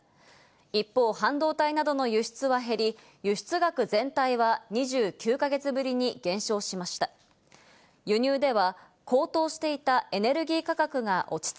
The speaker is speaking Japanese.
一方、半導体などの輸出は減り、輸出額全体は２９か月ぶりに減少関東のお天気です。